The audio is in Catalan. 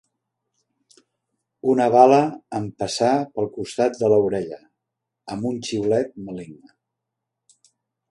Una bala em passà pel costat de l'orella, amb un xiulet maligne